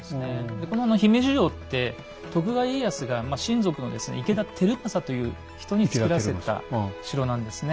でこの姫路城って徳川家康がまあ親族のですね池田輝政という人につくらせた城なんですね。